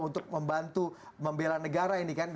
untuk membantu membela negara ini kan